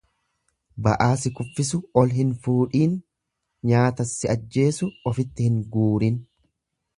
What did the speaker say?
Ba'aa si kuffisu ol hin fuudhiin, nyaata si ajjeesu ofitti hin guurin.